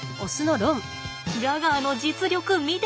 ジャガーの実力見てください！